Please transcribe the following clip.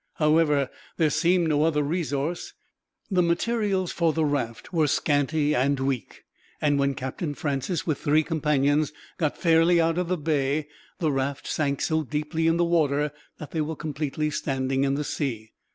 However, there seemed no other resource. The materials for the raft were scanty and weak; and when Captain Francis, with three companions, got fairly out of the bay, the raft sank so deeply in the water that they were completely standing in the sea.